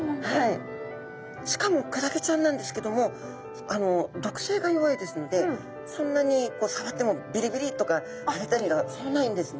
しかもクラゲちゃんなんですけども毒性が弱いですのでそんなにさわってもびりびりとかはれたりがそうないんですね。